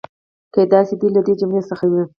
کېدای شي دوی له دې جملې څخه وي.